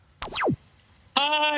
はい！